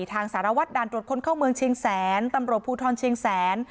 สารวัตรด่านตรวจคนเข้าเมืองเชียงแสนตำรวจภูทรเชียงแสน